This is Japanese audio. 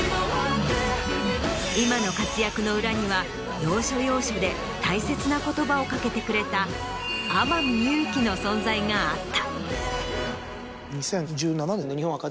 今の活躍の裏には要所要所で大切な言葉を掛けてくれた天海祐希の存在があった。